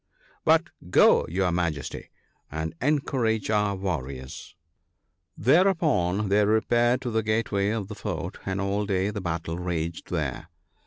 But go, your Majesty, and encourage our warriors." WAR. 1 1 1 Thereupon they repaired to the Gateway of the Fort, and all day the battle raged there.